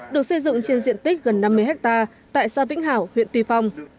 được xây dựng trên diện tích gần năm mươi hectare tại xã vĩnh hảo huyện tuy phong